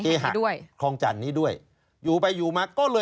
ชีวิตกระมวลวิสิทธิ์สุภาณฑ์